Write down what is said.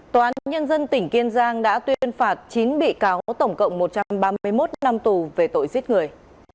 tòa án nhân dân tỉnh kiên giang đã tuyên phạt chín bị cáo tổng cộng một trăm ba mươi một năm tù về tội giết người